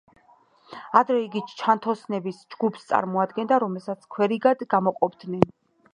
ადრე იგი ჩანთოსნების ჯგუფს წარმოადგენდა, რომელსაც ქვერიგად გამოყოფდნენ.